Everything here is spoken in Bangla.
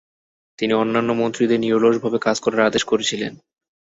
তিনি অন্যান্য মন্ত্রীদের নিরলস ভাবে কাজ করার আদেশ করেছিলেন।